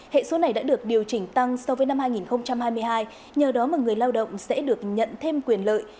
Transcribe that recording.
hệ số này đã được điều chỉnh tăng so với năm hai nghìn hai mươi hai nhờ đó mà người lao động sẽ được nhận thêm quyền lợi